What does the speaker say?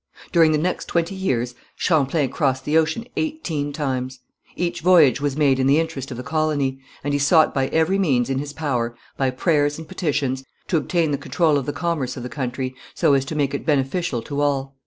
During the next twenty years Champlain crossed the ocean eighteen times. Each voyage was made in the interest of the colony, and he sought by every means in his power, by prayers and petitions, to obtain the control of the commerce of the country so as to make it beneficial to all.